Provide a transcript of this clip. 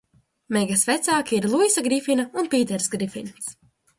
Megas vecāki ir Luisa Grifina un Pīters Grifins.